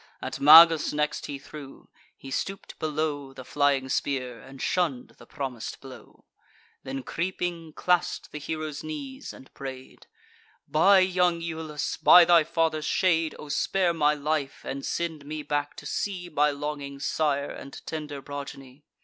At Magus next he threw: he stoop'd below The flying spear, and shunn'd the promis'd blow; Then, creeping, clasp'd the hero's knees, and pray'd: "By young Iulus, by thy father's shade, O spare my life, and send me back to see My longing sire, and tender progeny!